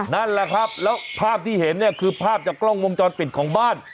นั่นแหละครับแล้วภาพที่เห็นเนี่ยคือภาพจากกล้องวงจรปิดของบ้าน